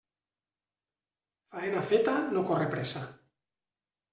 Faena feta no corre pressa.